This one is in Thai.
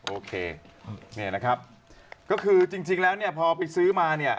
โอเคเนี่ยนะครับก็คือจริงแล้วเนี่ยพอไปซื้อมาเนี่ย